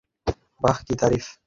বাঃ, কি তারিফ্!